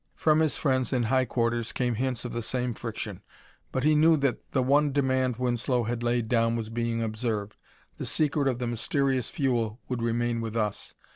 From his friends in high quarters came hints of the same friction, but he knew that the one demand Winslow had laid down was being observed: the secret of the mysterious fuel would remain with us.